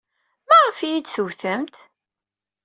Maɣef ay iyi-d-tewtemt?